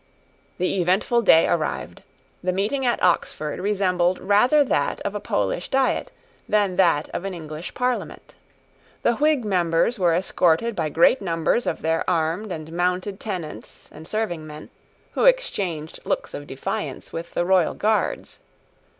The eventful day arrived. The meeting at Oxford resembled rather that of a Polish Diet than that of an English Parliament. The Whig members were escorted by great numbers of their armed and mounted tenants and serving men, who exchanged looks of defiance with the royal Guards.